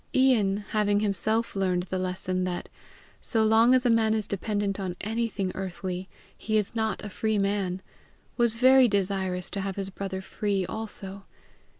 Ian, having himself learned the lesson that, so long as a man is dependent on anything earthly, he is not a free man, was very desirous to have his brother free also.